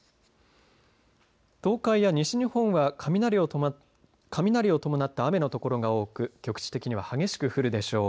東海や西日本は雷を伴った雨のところが多く局地的には激しく降るでしょう。